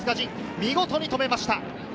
見事に止めました。